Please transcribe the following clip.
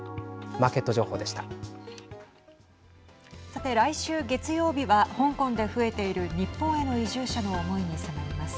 さて来週月曜日は香港で増えている日本への移住者の思いに迫ります。